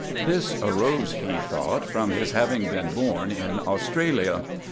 This arose, he thought, from his having been born in Australia.